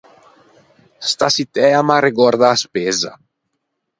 Sta çittæ a m’arregòrda a Spezza.